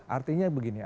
artinya begini ya